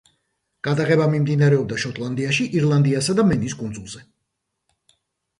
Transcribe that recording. გადაღება მიმდინარეობდა შოტლანდიაში, ირლანდიაში და მენის კუნძულზე.